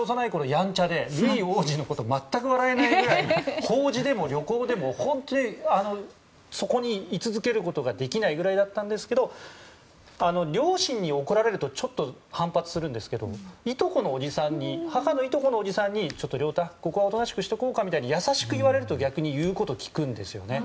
やんちゃでルイ王子のことを全く笑えないくらい法事でも旅行でも本当にそこに居続けることができないぐらいだったんですが両親に怒られるとちょっと反発するんですけど母のいとこのおじさんにちょっと、亮太ここはおとなしくしておこうかって優しく言われると逆に言うことを聞くんですよね。